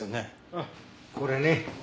ああこれね。